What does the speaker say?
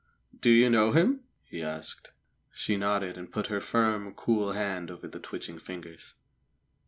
"Do you know him?" he asked. She nodded, and put her firm, cool hand over the twitching fingers.